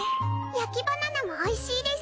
焼きバナナもおいしいです。